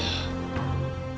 dari istana pancacaran